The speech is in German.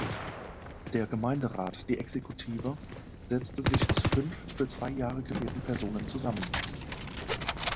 Der Gemeinderat, die Exekutive, setzte sich aus fünf für zwei Jahre gewählten Personen zusammen.